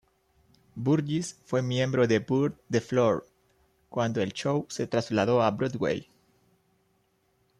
Burgess fue miembro de "Burn the Floor" cuando el show se trasladó a Broadway.